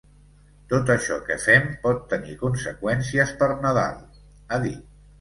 “Tot això que fem pot tenir conseqüències per Nadal”, ha dit.